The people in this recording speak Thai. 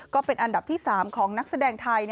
ก็เป็นอันดับที่๓ของนักแสดงไทย